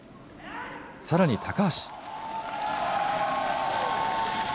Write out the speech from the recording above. さらに高橋。